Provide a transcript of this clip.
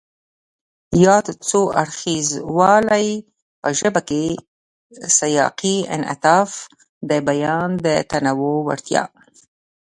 ياد څو اړخیزوالی په ژبه کې سیاقي انعطاف، د بیان د تنوع وړتیا،